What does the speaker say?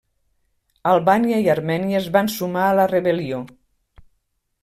Albània i Armènia es van sumar a la rebel·lió.